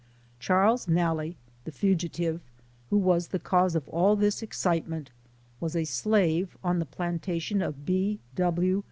Charles Nalle, the fugitive, who was the cause of all this excitement, was a slave on the planta tion of B. W.